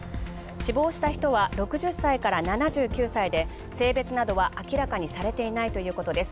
死亡した人は６０歳から７９歳で性別などは明らかにされていないということです。